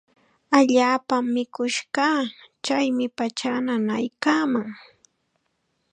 Allaapam mikush kaa. Chaymi pachaa nanaykaaman.